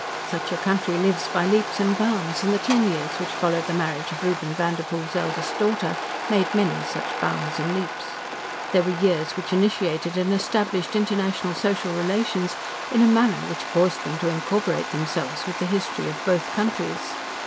Such a country lives by leaps and bounds, and the ten years which followed the marriage of Reuben Vanderpoel's eldest daughter made many such bounds and leaps. They were years which initiated and established international social relations in a manner which caused them to incorporate themselves with the history of both countries.